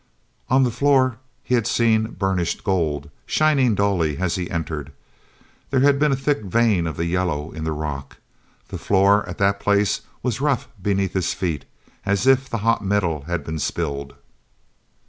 n the floor he had seen burnished gold, shining dully as he entered. There had been a thick vein of yellow in the rock. The floor, at that place, was rough beneath his feet, as if the hot metal had been spilled.